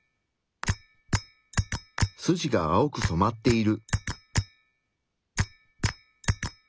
筋が青く染まっている。